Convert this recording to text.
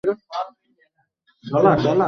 কিংবা একই বাচ্য চক্রাকারে বলা যায় না?